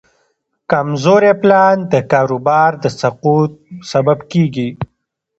کمزوری پلان د کاروبار د سقوط سبب کېږي.